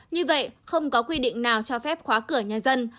như vậy không có quy định nào cho phép khóa cửa nhà dân